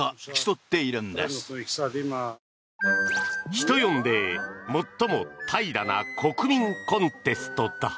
人呼んで最も怠惰な国民コンテストだ。